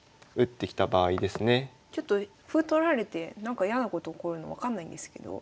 ちょっと歩取られてなんか嫌なこと起こるの分かんないんですけど。